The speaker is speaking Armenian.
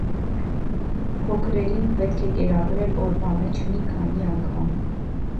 Փոքրերին պետք է կերակրել օրվա մեջ մի քանի անգամ։